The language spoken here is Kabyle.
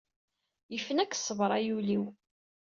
Yefna-k ssber ay ul-iw.